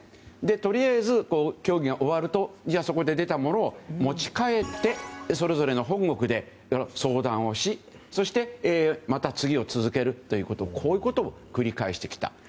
とりあえず、協議が終わるとそこで出たものを持ち帰ってそれぞれの本国で相談をしそしてまた次を続けるということをこういうことを繰り返してきた。